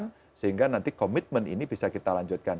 kita pegang sehingga nanti komitmen ini bisa kita lanjutkan